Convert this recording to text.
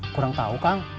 kurang tahu kang